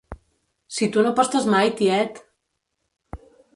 Si tu no apostes mai, tiet!